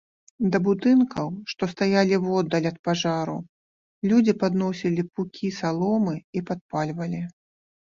Да будынкаў, што стаялі воддаль ад пажару, людзі падносілі пукі саломы і падпальвалі.